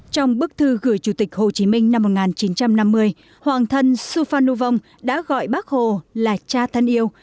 trong bức thư gửi chủ tịch hồ chí minh năm một nghìn chín trăm năm mươi hoàng thân suphanuvong đã gọi bác hồ là cha thân yêu